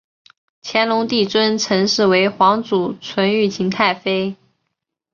乾隆帝尊陈氏为皇祖纯裕勤太妃。